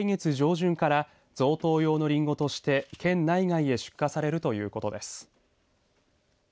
飛馬ふじは来月上旬から贈答用のりんごとして県内外へ出荷されるということです。